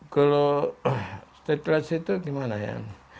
kalau stateles itu gimana ya